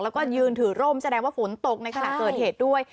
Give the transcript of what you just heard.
แล้วก็ยืนถือร่มแสดงว่าฝนตกในขณะเกิดเหตุด้วย